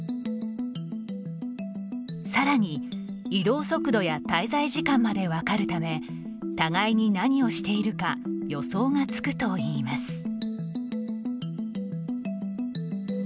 さらに、移動速度や滞在時間まで分かるため互いに何をしているか予想がつくといいます。